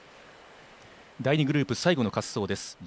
第２グループ最後の滑走です。